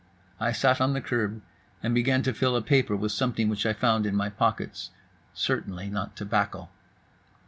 I sat on the curb and began to fill a paper with something which I found in my pockets, certainly not tobacco.